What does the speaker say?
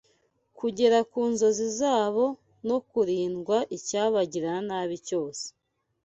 kugera ku nzozi zabo no kurindwa icyabagirira nabi cyose